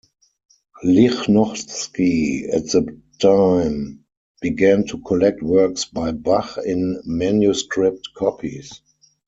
Lichnowsky at the time began to collect works by Bach in manuscript copies.